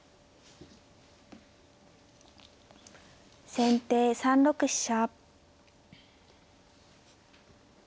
先手３六飛車。